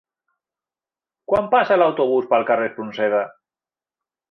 Quan passa l'autobús pel carrer Espronceda?